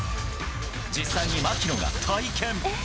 実際に槙野が体験。